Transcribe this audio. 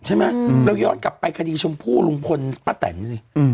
ใช่ไหมอืมแล้วย้อนกลับไปคดีชมพู่ลุงคลป้าแต่นดิอืม